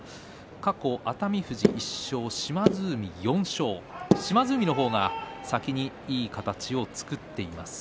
過去の熱海富士が１勝島津海が４勝島津海の方が先にいい形を作っています。